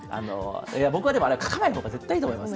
僕はかかない方が絶対いいと思います。